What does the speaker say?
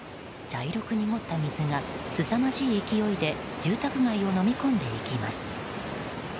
茶色く濁った水がすさまじい勢いで住宅街をのみ込んでいきます。